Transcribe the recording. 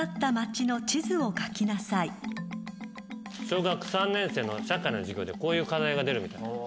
小学３年生の社会の授業でこういう課題が出るみたい。